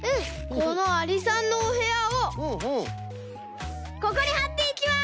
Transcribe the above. このありさんのおへやをここにはっていきます！